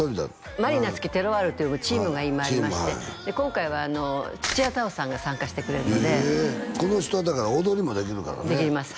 ＭａｒｉＮａｔｓｕｋｉＴｅｒｒｏｉｒっていうチームが今ありまして今回は土屋太鳳さんが参加してくれるのでこの人はだから踊りもできるからねできます